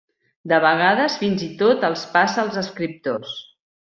De vegades fins i tot els passa als escriptors.